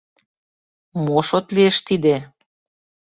Мо шот лиеш тиде?